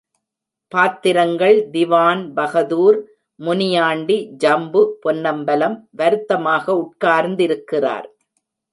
பாத்திரங்கள் திவான்பகதூர், முனியாண்டி, ஜம்பு பொன்னம்பலம் வருத்தமாக உட்கார்ந்திருக்கிறார்.